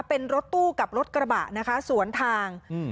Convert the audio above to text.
เป็นรถตู้กับรถกระบะนะคะสวนทางอืม